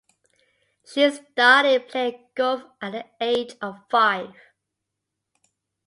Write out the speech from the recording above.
She started playing golf at the age of five.